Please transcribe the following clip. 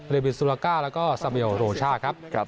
เรวิสุลาก้าแล้วก็ทรัพยาวโรช่าครับ